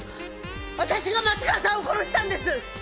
私が松川さんを殺したんです！